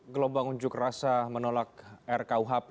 gelombang unjuk rasa menolak rkuhp